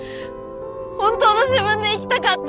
本当の自分で生きたかった。